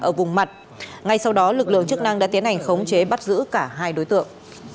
ở vùng mặt ngay sau đó lực lượng chức năng đã tiến hành khống chế bắt giữ cả hai đối tượng